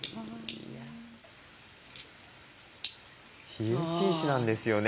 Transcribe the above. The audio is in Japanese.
火打ち石なんですよね。